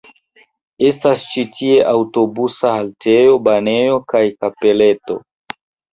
Estas ĉi tie aŭtobusa haltejo, banejo kaj kapeleto.